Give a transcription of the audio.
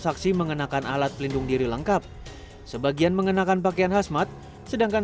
saksi mengenakan alat pelindung diri lengkap sebagian mengenakan pakaian khasmat sedangkan